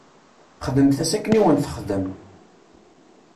Xdemt-as akken i wen-texdem.